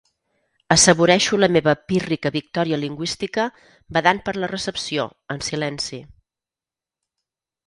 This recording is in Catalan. Assaboreixo la meva pírrica victòria lingüística badant per la recepció, en silenci.